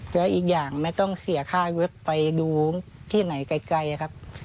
แล้วอีกอย่างไม่ต้องเสียค่าเว็บไปดูที่ไหนไกลครับ